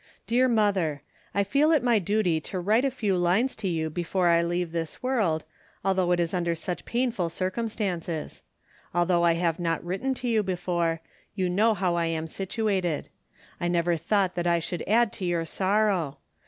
"Dear Mother, I feel it my duty to write a few lines to you before I leave this world, although it is under such painful circumstances. Although I have not written to you before, you know how I am situated. I never thought that I should add to your sorrow.